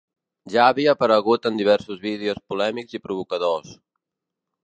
Ja havia aparegut en diversos vídeos polèmics i provocadors.